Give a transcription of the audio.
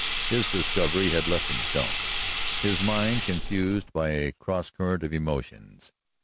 His discovery had left him dumb, his mind confused by a cross current of emotions.